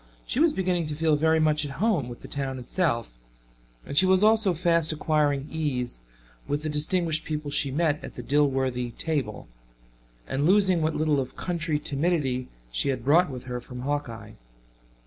She was beginning to feel very much at home with the town itself, and she was also fast acquiring ease with the distinguished people she met at the Dilworthy table, and losing what little of country timidity she had brought with her from Hawkeye.